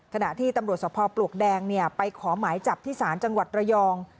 ขณะที่ตำรวจสภพปลวกแดงไปขอหมายจับที่ศาลจังหวัดระยอง